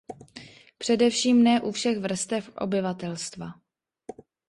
Především ne u všech vrstev obyvatelstva.